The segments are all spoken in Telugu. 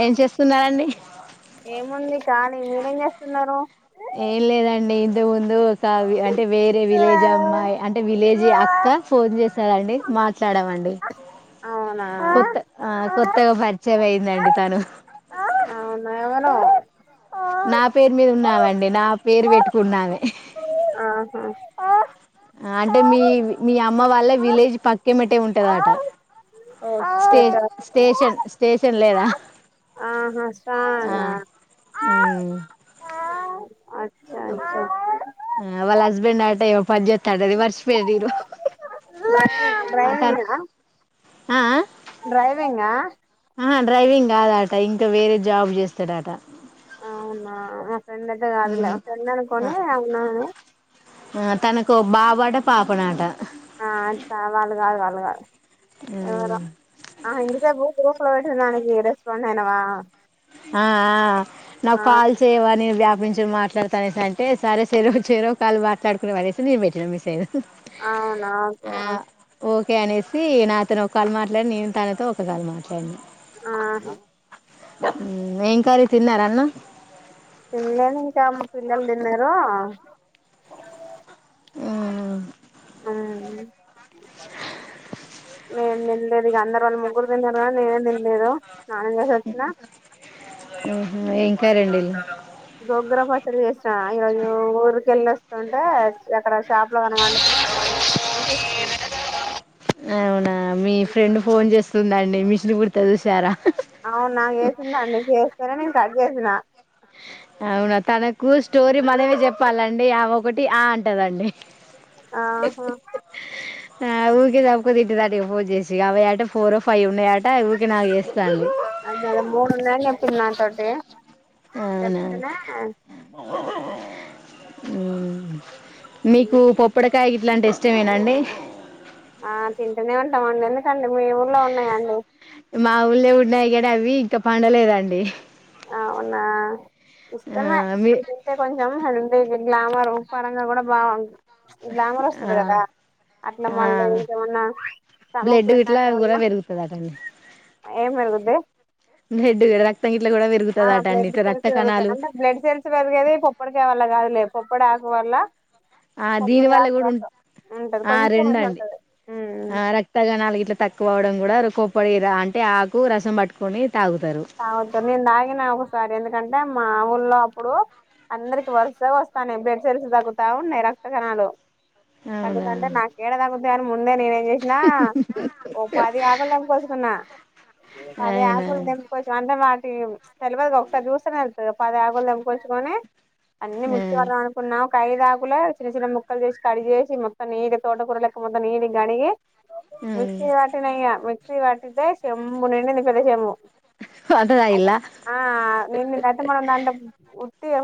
ఏం చేస్తున్నారండి ఏముంది కానీ మీరేం చేస్తున్నారు ఏం లేదండి [unintelligible] ముందు ఓసారి అని అంటే వేరే విలేజ్ అమ్మాయి అంటే విలేజ్ ఇంకా ఫోన్ చేసారండి మాట్లాడమండి అవునా ఆ కొత్తగా పరిచయం అయిందండి తను అవున నా పేరు మీద ఉన్నామండి నా పేరు పెట్టుకున్నామే ఆహా అంటే మీ మీ అమ్మ వాళ్ళ విలేజ్ పక్కె మట్టే ఉంటందట అట ఓ స్టే షట్ స్టేషన్ స్టేషన్ లేదా అప్ ఆహా స ఊ అచ్చా అచ్చా వాళ్ళ హస్బెండ్ ఆట ఇగ పనిచే పదవి మర్చిపోయింది రో అతను ఆ ఆ డ్రైవింగ్ ఆ ఆ డ్రైవింగ్ కాదా ఆట ఇంకా వేరే జాబ్ చేస్తాడట అవునా ఆ ఫ్రెండ్ అతే కాదులే మ్మ్ ఫ్రెండ్ ఆ అనుకోని అవున్నాని టె పాపనాట ఆ సామాన్లు కడగాలి ఎవరు ఉమ్ ఆ హంగ్డితేబ [unintelligible] పెట్టిన దానికి రెస్పాండ్ అయినావా ఆ ఆ నాకు కాల్ చేయమని వ్యాపించ మాట్లాడతానే అంటే సరే సర చేరో కాళ్లు మాట్లాడుకునే అనేసి నేను పెట్టినా మిస్ అ్యను అనా ఓకే ఓకే అనేసి నాతను ఒక కాళ మాట్లాడి నేను తనతో ఒక కాళ మాట్లాడి ఆహా ఏం కారీ తిన్నార అన్న పిల్లలు ఇంకా అమ్మ పిల్లలు తిన్నారు మ్మ్ ఆ నేన్ తిన్ ఇక అందరు వాళ్ళు ముగ్గురు తిన్నారు కద నేనేం తినలేదు స్నానం చేసి వచ్చినా కరండి గోగ్గుర పచ్చడి చేస్న ఈరోజు ఊరికెళ్ళి వస్తుంటే అ అక్కడ షాప్ లో కనపడ్డది తీసుకుందాం అని తీసున్న అవునా ఆ మీ ఫ్రెండ్ ఫోన్ చేస్తుందన్ నేమిశ్రీ ఉడుత చూసారా అవునా ఏసిందండి చేస్తనే నేను కట్ చేసిన అవునా తనకు స్టోరీ మనమే చెప్పాలండి ఆమే ఒకటి ఆ అంటదండి ఆ హా ఆ ఊకే తాపకో దిటు దాటికి పోన్ చేేసి అవి అట ఫోరో ఫైవ్ ఉన్నాయి ఆట ట ఊకె నాకి చేస్తాంది చిన్నాన్ తోటి అవునా చెబ్తనే మ్మ్ మీకు పొప్పుడ కాయ ఇట్లాంటి ఇష్టమేన అండి ఆ తింటనే ఉంటాం అండి ఎందుకం టే మీ ఊర్లో ఉన్నాయా అండి మా ఊళ్ళ ఉండాయ్ గాని అవి ఇంకా పండలేదండి అవునా ఆ ఇష్టమే మీ తింటే కొంచెం హెల్తీ గ్లామర్ పరంగా గూడ బాగుంది గ్లామర్ ఆ వస్తది కదా అట్లా ఆ మళ్ళ ఇంకేమన్నా స్టమక్ బ్లడ్ [unintelligible] గిట్లా ఏమన్నా కూడా ఉన్నా పెరుగుతదటండి ఏం పెరుగుద్ది బ్లడ్ రక్తం గిట్లా కూడా ఆ పెరుగుతదటండి బ్లడ్ ఇట్లా సెల్స్ రక్త పెరుగుతయి కణాలు అంటే బ్లడ్ సెల్స్ పెరిగేది పప్పుడికాయ వల్ల కాదు లే పప్పడ ఆకువల్ల ఆ దీని వల్ల గుడ ఉన్ ఉంటది ఆ కొంచెం మంచిగా రెండండి ఉంటది ఉమ్ ఆ రక్తగణాలు ఇట్ల తక్కువవ్వడం కూడా కొప్పడి రాంకి ఆకు రసం పట్టుకొని తాగుతారు తాగుతా నేన్ తాగిన ఒకసారి ఎందుకంటే మా ఊల్లో అప్పుడు అందరికి వరుసగ వస్తనాయి బెడ్ సెల్స్ తగ్గుతా ఉన్నాయి రక్త కణాలు అవునా తగ్గుతంటే నా కేడ తగు ద్యానం ముందే నేనే ఏం చేసినా ఓ పది ఆకులు తెంపొచ్చుకున్నా పది అవునా ఆకులు తెం అంటే వాటి తెల్వదు గా ఒకసారి చూస్తనే పది ఆకులు తెంపుకొచుకొని అన్నీ ఆ మిక్సి పెడదాం అనుకున్నం కై తాగులే చిన్న చిన్న ముక్కలు చేసి కడి చేసి మొత్తండిళ్టి తోట కూరలక్క మొత్తం నీటి గడిగి ఆ మర్చ్చ వాటి నయార్ వాటితే చెమ్ముు నిండిందిప్పద్ద చెమ్ముు అంత అద తాగిల్లా ఆ నిన్న అత మనందాంట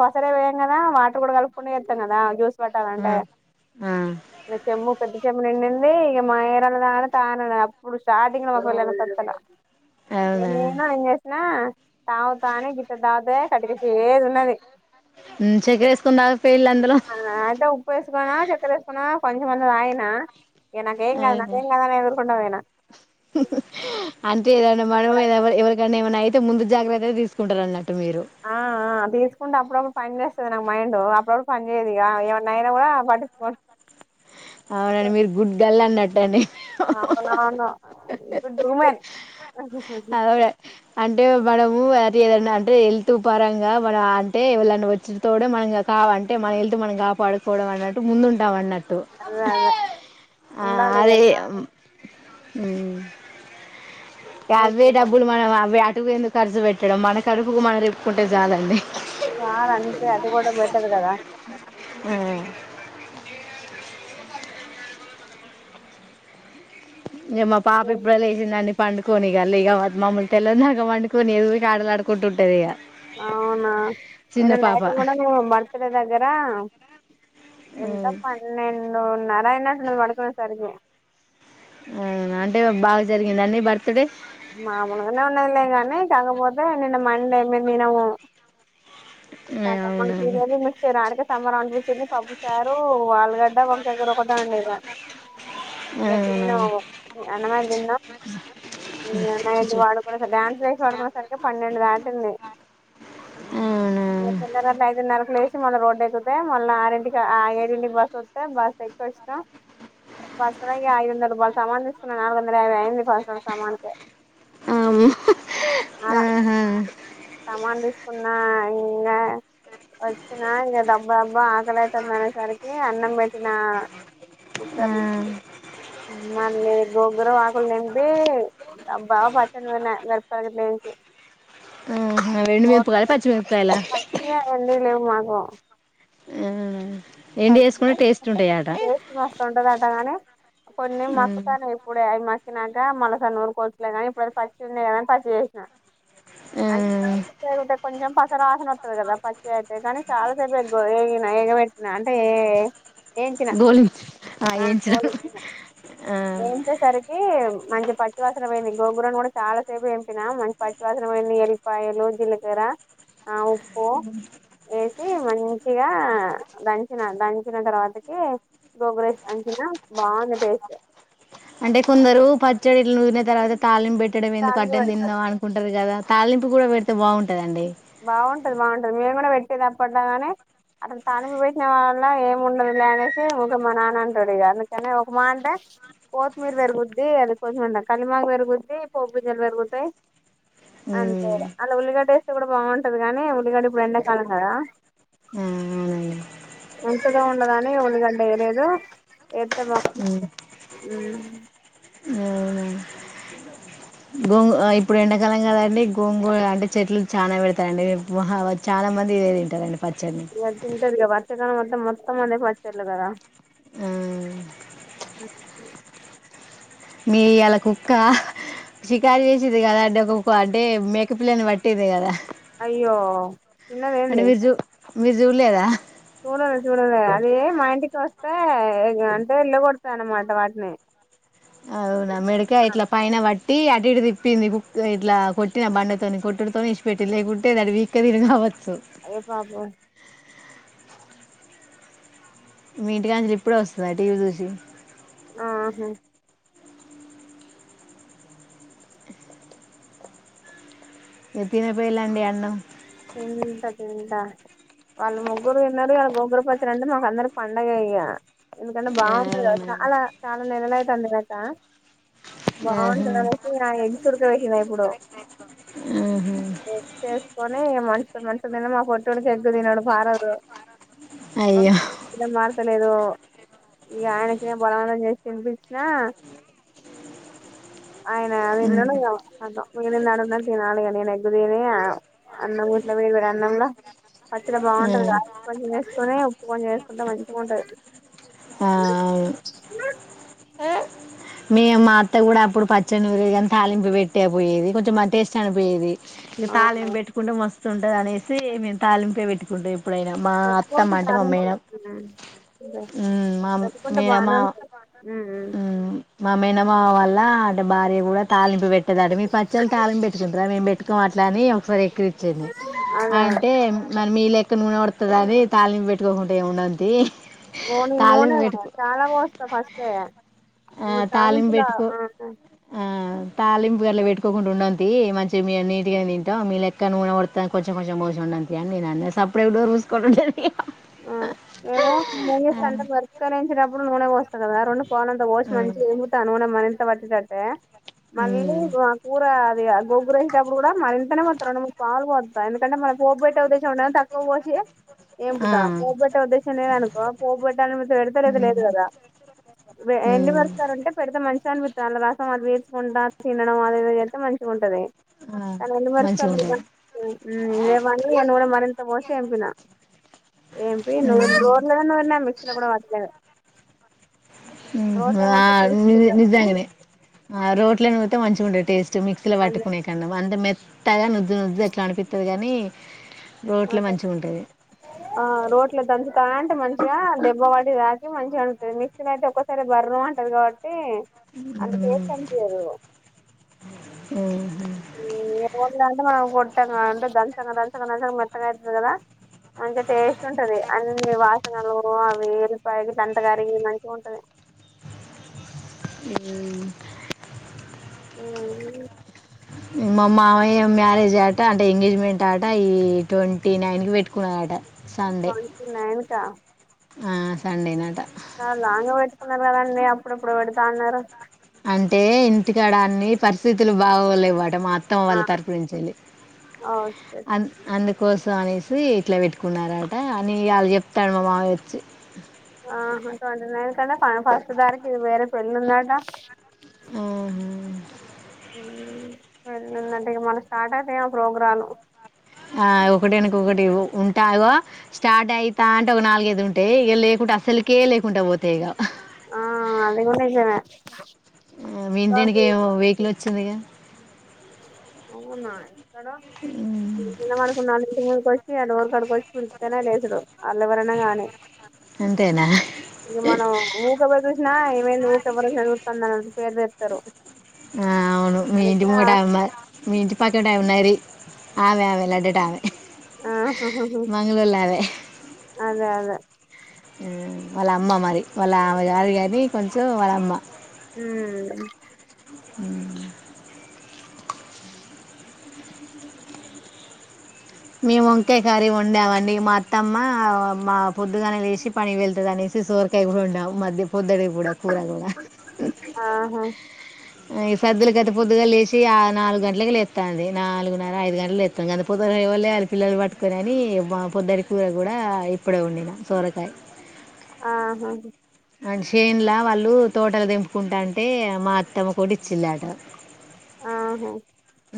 హసరే వేయం కదా వాటర్ కూడా కలుపుకునేస్తాం కదా జూ ఉంట ఆ ఆ చెమ్ పె చెమ్ నిండింది ఇక మాయరాలదా తాన అప్పుడు షాధంగ్ మా వెళ్ళ సంత అవునా తవతో అనే గత తాద కటి కసి ఏది ఉన్నది ఉమ్, చక్కెర వేసుకొని తాగకపోయిల్లా అందులో అంటే ఉప్పు వేసుకోన్నా చక్కెర వేసుకోనా కొంచెమంది రాయనా ఏ నాేం అద అవునా నాేం అదరు కొన్నావనా అంటే ఏదనా మనమ ఇవకని నవ రై ముందు జాగ్రత్తగా తీసుకుంటారన్నట్టు ఆ అ తీసుకుంట అప్పుడప్పుడు పని చేస్తది నాకు మైండ్ అప్పుడప్పు పని చేయదు ఇగా ఏమన్నాయినా కూడా పట్టించుకో అవునండి మీరు గుడ్గిర్ల్ అన్నట్టు బెండ్ అవునవును ఇప్పుడు [unintelligible] అదేకదా అంటే మనము అరే అంటే హెల్త్ పరంగా మన అంటే ఎవ్వలన్న వచ్చిన తోడే మనం ఇంగ కావాలంటే మన హెల్త్ మనం కాపాడుకోవడం అన్నట్టు ముందు ఉంటం అన్నట్టు అదే అదే టు ఆ ఉండాలి అదే కదా అ మీకు అవ్వే డబ్బులు మన అవి అటు ఎందుకు ఖర్జు పెట్టడం మన కడుపుకు మన నింపుకుంటే చాలండి ఆ గంతే అది కూడా బెటర్ కదా అ మా పాప ఇప్పుడే లేచిందండి పండుకొనిగా మమ్ముల్ని తెల్లందాక పండుకొనియ్యదు ఊకె ఆడలాడుకుంట ఉంటది ఇగ అవునా చిన్న నిన్న పాప నైట్ కూడా మే బర్త్డే దగ్గర ఎంత మ్మ్ పన్నెండున్నర అయినట్టున్నది మేం పండుకునేసరికి అవునా అంటే బాగా జరిగిందాండి బర్త్డే మామూలుగానే ఉన్నదిలే కానీ కాకపోతే నిన్న మండే మేం తినము అవునా [unintelligible] అడికే సంబరం చిన్ని పప్పుచారు వాళ్ళు గడ్డ వంకాయ కూర ఒకటే వండిన ఇగ అవునా తిన్నాము అన్నమైతే తిన్నాం నైట్ చిచి పండుకునే సరికి డాన్స్లు ఏసి పండుకునే సరికి పన్నెండు దాటి టింది అవునా ఇగ తెల్లారగట్ల ఐదున్నరకు లేేసి మళ్ళ రోడ్ ఎక్కుతే మళ్ళ ఆరింటికి ఏడింటికి బస్ వస్తే బస్సు ఎక్కొచ్చినం బస్ల ఇగ ఐదు వందల రూపాయల సమాన్ తీసుకున్న నాలుగు వందల యాభై అయింది అమ్మో [unintelligible] సామానుకు ఆహా సమాన్ తీసుకున్న న్నా వచ్చిన ఇంగ దబ్బ దబ్బా ఆకలైతాంది అనేసరికి అన్నం పెట్టిన కుక్కర్లా ఆ మళ్ళీ గోంగూర ఆకులు తెంపి డబ్బా పచ్చడ నూరిన మిరపకాయలు గిట్ల ఆహా ఎండుమిరపకాయల పచ్చిమిరపకాయల ఎంపీ [inaudible] ఆ ఆ ఎండు వేసుకుంటే టేస్ట్ ఉంటాయట టేస్ట్ మస్తు ఉంటదటగాని కొన్ని మక్కుతాన్నయి ఇప్పుడే అవి మ మక్కినాక మల్లోసారి నూరుకోవచ్చు లే కానీ ఇప్పుడైతే పచ్చియి ఉన్నయ్ కదా అని పచ్చియి చేసిన ఆ [unintelligible] కొంచెం ప [unintelligible] ఉంటది కదా పచ్చియయితే కానీ చాలా సేపు బక్ేగిన అంటే ఏయించిన గోలించి ఆ వేయించడం గాలించిన ఆ ఏయించేసరికి మంచి పట్టి వాసన పోయి గోంగుర కూడా చాలా సేపు ఏంపిన మంచి పచ్చివాసన పోయింది ఎల్లిపాయలు జీలకర్ర అ అ మంచిగా దంచిన దంచిన తర్వాతకి గోంగూరేసి దంచిన బాగుంది టేస్ట్ అంటే కొందరు పచ్చడిళ్ళ నూదిన తర్వాత తాళిని పెట్టి పెట్టడం ఎందుకు తాలింపు అడ్డం తిన్నాా పెడతారు అనుకుంటారు కదా తాలింపు కూడా పెడితే బాగుంటది బాగుంటది బాగుంటది మేము కూడా పెట్ తప్పట్ కాని అను తానిపి పెట్టిన వాళ్ళ ఏమి ఉండదు లే అనేసి ఊరికె మా నాన్న అంటాడు ఇక అందుకని ఒక మాట అంటే పోత్తిమీర పెరుగుద్ది అది కొంచంంట కలిమాగ పెరుగుద్ది పో్ బింజాలు పెరుగుతాయి అంతే అందులో ఉల్లిగడ్డ వేస్తే కూడా బాగుంటది కాని ఉల్లిగడ్డ ఇప్పుడు ఎండాకాలం కదా అవునండి ఉంటదో ఉండదో అని ఉల్లిగడ్డ వేయలేదు వేస్తే బాగు గోంగ ఇప్పుడు ఎండాకాలం కదండి గోంగూర అంటే చెట్లు చాలా పెడతాయండి చాలా మంది ఇదే తింటారండి పచ్చడిని ఎంతుంటది ఇక వర్క్ ఏడ కాలం మొత్తం అద పచ్చర్లు కదా ఆ మీ అలా కుక్క షికారు చేసేది కదా అంటే ఒక కుక్క అంటే మేకపిల్లని పట్టింది కదా అయ్యో చిన్నది అంటే ఏంది విర్జు [unintelligible] మీరు చూలేదా చూడలే చూడలే అది మా ఇంటికి వస్తే ఇక అంటే ఎలాగోడతా అన్నమాట వాటిని అవునా మెడకాయ ఇట్లా పైన వట్టి టీ అటు ఇటు తిప్పింది కు ఇట్లా కొట్టిన బండతోని కొట్టుడితోని ఇచ్చిపెట్టి లేకుంటేది అటు వపీక్క తిని కావచ్చు అయ్యో పాపం మీ ఇంటి కాడ నుంచి ఇప్పుడే వస్తుందా టీవీ చూసి ఆహా ఎ తినపోయిలాండి అన్నం తింట. వాళ్ళు ముగ్గురు తిన్నారు. వాళ్ళకి గోంగూర పచ్చడి అంటే మాకు అందరికి పండగే ఇక. ఎందుకంటే బాగుంటది అవునా చాలా చాలా నెలలైతాంది చేయక. బాగుంటది ఆహా. అనేసి ఆ ఎగ్స్ ఉుడకబెట్టినా ఇప్పుడు ఉహు కని మనుషు మనుషు తిన్నా మా పొట్టోడికి ఎగ్గు తినడు మారదు అయ్యో మారతలేదు. ఇక ఆయనకి బలవంతం చేసి తినిపించినా ఆయన తిన్నడు. ఉమ్ ఇక ఖతం మిగిలింది ఆడుంది తినాలి. నేను ఎగ్గు తిని అన్నం ఇట్ల వేడి అన్నంలో పచ్చడి బాగుంటది గా ఉమ్ కొంచెం వేసుకుని ఉప్పు కొంచెం వేసుకుంటే మంచిగా ఉంటది ఆ అవును ేమా అత్త కూడా అప్పుడు పచ్చడి నూరిగాని తాలింపు పెట్టే పోయేది కొంచెం అ టేస్ట్ అనిపోయేది ఇంకా తాళ ఏం అవును పెట్టుకుంటే మస్తు ఉంటది అనేసి మేము తాలింపే పెట్టుకుంటే ఎప్పుడైనా మా పెట్టుకోవచ్చు అత్తమ్మ అంటే మా తాలింపు మేడం మా పెట్టుకుంటే బానే ఉంటది ఉమ్ మేనమామ మేనమామ వాళ్ళ అట భార్య కూడా తాలింపు పెట్టద అట మీ పచ్చళ్లు తాలింపు పెట్టుకుంటురా మేము పెట్టుకోం అట్ల అని ఒకసారి ఎక్కిరిచ్చింది అదే అంటే మరి మీ లెక్క ఎక్కువ నూనె వోడుతది అని తాలింపు పెట్టుకోకుంటే ఏముండది తీ ఓని తాలింపు నూనె పెట్టుకో చాలా పోస్త ఫస్టే ఆ ఇప్పుడు తాలింపు తాలింపులా పెట్టుకో ఆ ఆ తాలింపు గట్ల పెట్ కోకుండా ఉండం తీ మంచి మీ నీట్ గా తింటాం మీ లెక్క నూనెపడతా కొంచం కొంచెం పోఈసి అని నేను అ సపడేట్ డోర్ చూసుకోండ ఆ మేమో న చేస్త అంటే బర్క వేంచినప్పుడు నూనె పోస్తా అదే వేరన్న పోలంత పోసి హ్మ్. మంచిగా ఏంపుతా నూనె త వట్టి అయితే మళ్ళీ హ్మ్. ఆ కూర అది గొగురేసేటప్పుడు కూడా మంతనే మత్తం రెండు ముడు పాలుపోత్త ఎందుకంటే మనం పోబెట్టి అవు తె చ ఉండేద్ తక్కువ పోసి ఆ! పోబట్టే ఉద్దేశం లేదనుకో పోబట్ట అ పెడుత లేదంటే లేదు హ్మ్. కదా ఎండి హ్మ్. మరుస్తారంటే పెడితే మంచన బ చాలా రాసం అవి వేచుకుంటా తినడం అదది అయితే మంచిగా ఉంటది ఆ కానీ ఎండు మిరపకాయలు మంచిగుంటది వేసి మరింత నూనె పోసి ఏంపిన ఏంపి నూర్ రోట్లో నే నూరిన మిక్సీలో కూడా పట్ లేదు హ్మ్ ఆ నూరితే టేస్ట్ నిజ్ ఉంటది నిజాంగనే ఆ రోట్ల మంచికుండ టేస్ట్ మిక్స్ లో వట్టుకునే కన్న అంటే టయ ను నుజి అట్ల అనిపితది కాని అదే ఆ రోట్ల దంచతాంటే మంచి దెబ్బ వాటిక్ తాకి మంచిగనిపిస్తది మిక్సీలో అయితే ఒక్కసారి బర్ర అంటది కాబట్టి ఏ అంత టేస్ట్ అనిపియదు హ్మ్ హు హ్మ్ అంటే మనం కొట్టాం అంటే దంచగ దంచగ మెత్తగా అవుతది కదా అంతే. టేస్ట్ ఉంటది అన్ని వాసనలు ఆ వెలుపయ్ అంత కరిగి మంచిగా ఉంటది హ్మ్ హ్మ్ మా మామయ్య మ్యారేజ్ ఆట అంటే ఎంగేజ్మెంట్ ఆట ఈ ట్వంటీ నైన్ కి పెట్టుకున్నదట ట్వంటీ నైన్ కా సండే నటా లాంగా పెట్టుకున్నారు కదండి అప్పుడప్పుడు పెడతా అన్నారు అంటే ఇంటికాడాన్ని పరిస్థితులు బాగోలే వాడు మా అత్తమ్మ ఆ వాళ్ళ తర్పు నుంచెల్లి ఓకే అంద్ అందు కోసం అనేసి ఇట్ల పెట్టుకున్నారట అని వాళ్ళు చెప్తాడు మా మావయ్య వచ్చి ఆ ట్వంటీ నైన్ కదా మన పాస్టర్ గారికి వేరె పెళ్ళుందంట. ఆహ ఊ పెళ్ళుందట కదా మనం స్టార్ట్ అయిపొయం ప్రోగ్రాన్. ఆ ఒకటి అనక ఒకటి ఉంటాగా స్టార్ట్ అయితా అంటే ఒక నాలుగ ఐదు ఉంటాయి. ఇక లేకుండా అసలుకే లేకుండా పోతాయి ఇక. ఆ అది కూడా ఇట్లనే వహు చెందేగ ఉన్నాయ్ ఇక్కడ ఉమ్, నిలబడుకున్న ఇంటి ముందుకు వచ్చి అడగురు కడుకొచ్చి మడితేనే లేసుడు అల్లవరనా గాని అంతేనా ఇక మనం ఊకపో చూసినా ఏమైంది. ఊక బర జరుగుతుందిన్న పేరు సరో ఆ అవును మీంటి మూడ అమ్మ మీ ఇంటి పకటే ఉన్నాయి ఇది ఆవే ఆవెలాడటావె ఆ అహహు అదే అదే ఊ వాళ్ళ అమ్మ మరి వాళ్ళ ఆమెగాదు గాని కొంచెం వాలమ్మ ఉమ్ మ్ మ్ మేం వంకాయ కరి వండామండి. మా అత్తమ్మ మా పొద్దుగాలనే లేసి పనికి వెళ్తదనేసి సోరకాయగూడ వోండామ్ మధ్య పొద్దడికి కూడా కూర కూడా హహు ఆహా ఈ సద్దులకు గత పొద్దుగా లేసి ఆ నాలుగు గంటలకి లేత్తంది. నాలుగున్నర ఐదు గంటలకు లేత్తంది. గంత పొద్దుగళ్ళనే లేవలే అట్ పిల్లలని పట్టుకొని అని బా పొద్దటి కూర కూడా ఇప్పుడే వండిన సోరకాయ. ఆహా అండ్ షెన్లా వాళ్ళు తోటల దెంపుకుంటంటే అంటే మా అత్తమ ఒటిచ్చిల్లాట ఆహా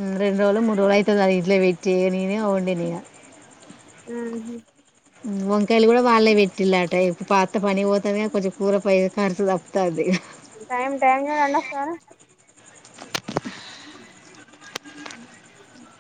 ఉ రెండు రోలో మూడు రోలో అయితంది, ఇంట్లో వెట్టి ఇగ నేనే వోండిన ఇగ. ఉహు ఉ వంకాయలు కూడా వాళ్ళె పెట్టిళ్లట ఇప్పు మా అత్త పనికి పోతంది కా కొంచెం కూర పై ఖర్చు తప్పుతంది. హ [unintelligible] [unintelligible] [inaudible]